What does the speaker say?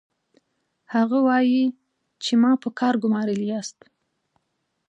هغه وايي چې ما په کار ګومارلي یاست